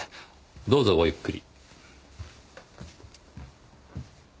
どうぞごゆっくり。